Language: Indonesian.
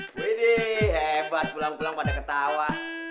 budi hebat pulang pulang pada ketawa